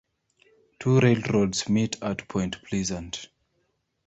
Two railroads meet at Point Pleasant.